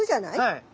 はい。